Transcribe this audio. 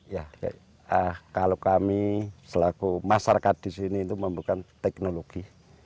ya kalau kami selaku masyarakat di sini itu membutuhkan teknologi